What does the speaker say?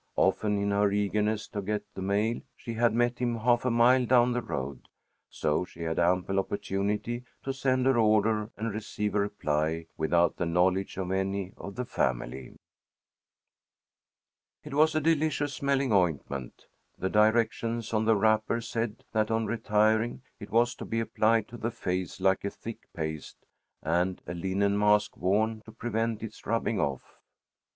Often in her eagerness to get the mail she had met him half a mile down the road. So she had ample opportunity to send her order and receive a reply without the knowledge of any of the family. It was a delicious smelling ointment. The directions on the wrapper said that on retiring, it was to be applied to the face like a thick paste, and a linen mask worn to prevent its rubbing off.